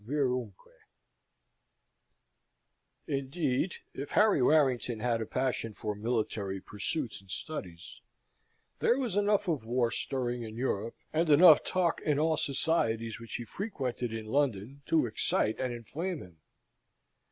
Arma Virumque Indeed, if Harry Warrington had a passion for military pursuits and studies, there was enough of war stirring in Europe, and enough talk in all societies which he frequented in London, to excite and inflame him.